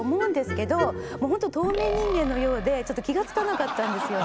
もうほんと透明人間のようでちょっと気が付かなかったんですよね。